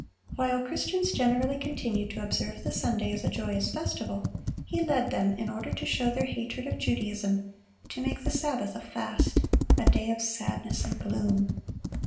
While Christians generally continued to observe the Sunday as a joyous festival, he led them, in order to show their hatred of Judaism, to make the Sabbath a fast, a day of sadness and gloom.